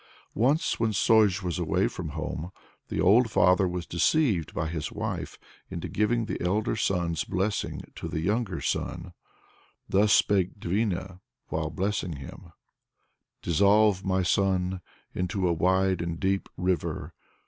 Once, when Sozh was away from home, the old father was deceived by his wife into giving the elder son's blessing to the younger son. Thus spake Dvina while blessing him: "Dissolve, my son, into a wide and deep river.